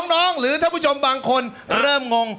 น้องหรือถ้าผู้ชมบางคนเริ่มงง